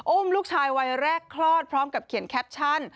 ลูกชายวัยแรกคลอดพร้อมกับเขียนแคปชั่น